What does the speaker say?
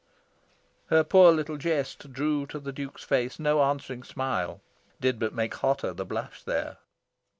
Her poor little jest drew to the Duke's face no answering smile, did but make hotter the blush there.